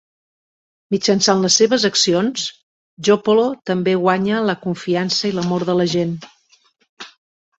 Mitjançant les seves accions, Joppolo també guanya la confiança i l'amor de la gent.